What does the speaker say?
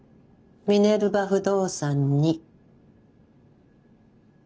ミネルヴァ不動産に。